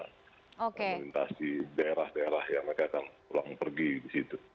melintasi daerah daerah ya mereka akan pulang pergi di situ